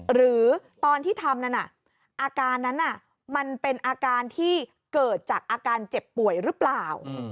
หรือตอนที่ทำนั้นอาการนั้นมันเป็นอาการที่เกิดจากอาการเจ็บป่วยหรือเปล่า